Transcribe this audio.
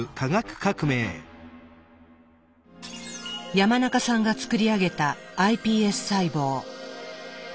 山中さんが作り上げたｉＰＳ細胞。